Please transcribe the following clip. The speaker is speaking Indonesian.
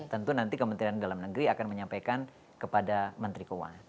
tentu nanti kementerian dalam negeri akan menyampaikan kepada menteri keuangan